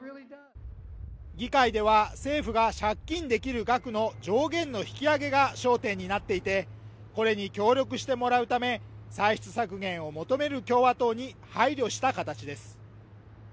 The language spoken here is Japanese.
議会では、政府が借金できる額の上限の引き上げが焦点になっていて、これに協力してもらうため、歳出削減を求める共和党に配慮した形です。